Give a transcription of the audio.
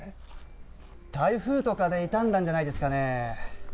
台風とかで傷んだんじゃないですかね。